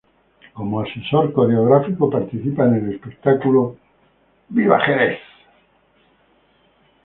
Como asesor coreográfico, participa en el espectáculo como ¡Viva Jerez!